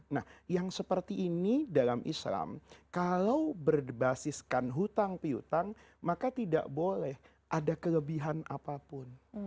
nah yang seperti ini dalam islam kalau berbasiskan hutang pihutang maka tidak boleh ada kelebihan apapun